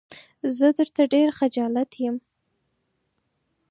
زه درته ډېر خجالت يم.